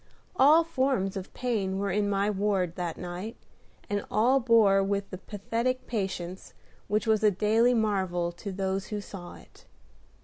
All forms of pain were in my ward that night, and all borne with the pathetic patience which was a daily marvel to those who saw it.